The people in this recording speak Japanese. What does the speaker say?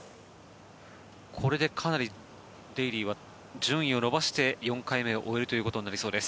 これでかなりデーリーは順位を伸ばして４回目を終えることになりそうです。